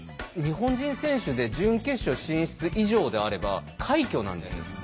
日本人選手で準決勝進出以上であれば快挙なんですよ。